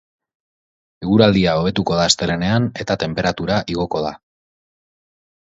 Eguraldia hobetuko da astelehenean eta tenperatura igoko da.